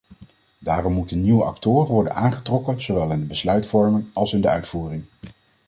Daarom moeten nieuwe actoren worden aangetrokken zowel in de besluitvorming als in de uitvoering.